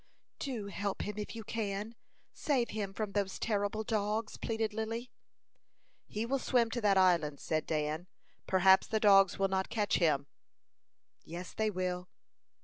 "Do help him if you can. Save him from those terrible dogs!" pleaded Lily. "He will swim to that island," said Dan. "Perhaps the dogs will not catch him." "Yes, they will."